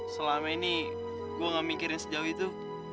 selama ini gue gak mikirin sejauh itu